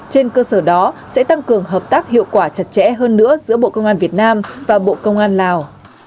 trên cơ sở đó sẽ tăng cường hợp tác hiệu quả chặt chẽ hơn nữa giữa bộ công an việt nam và bộ công an lào